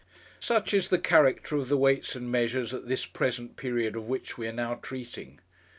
Such is the character of the Weights and Measures at this present period of which we are now treating.